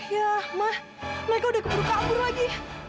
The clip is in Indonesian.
ya mah mereka udah keburu kabur lagi